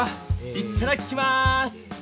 いっただきます！